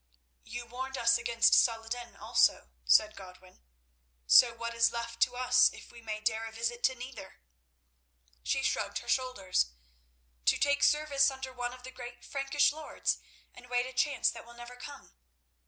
"You warned us against Saladin also," said Godwin, "so what is left to us if we may dare a visit to neither?" She shrugged her shoulders. "To take service under one of the great Frankish lords and wait a chance that will never come.